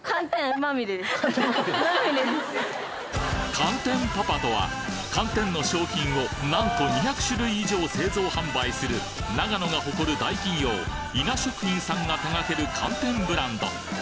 かんてんぱぱとは寒天の商品をなんと２００種類以上製造販売する長野が誇る大企業伊那食品さんが手がける寒天ブランド！